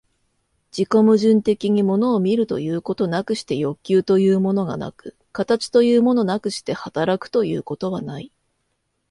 自己矛盾的に物を見るということなくして欲求というものがなく、形というものなくして働くということはない。